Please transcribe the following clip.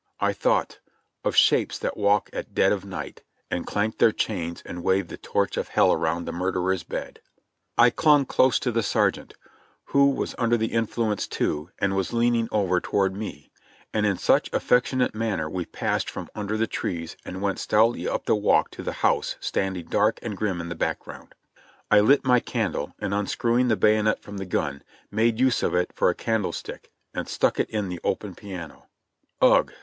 I thought "Of shapes that walk at dead of night, And clank their chains and wave the torch of Hell around the murderer's bed." I clung close to the sergeant, who was under the influence too, and was leaning over toward me; and in such affectionate man ner we passed from under the trees and went stoutly up the walk to the house standing dark and grim in the background. I lit my candle, and unscrewing the bayonet from the gun, made use of it for a candlestick, and stuck it in the open piano. Ugh